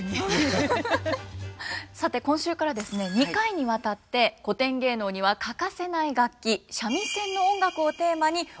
さて今週からですね２回にわたって古典芸能には欠かせない楽器三味線の音楽をテーマにお送りいたします。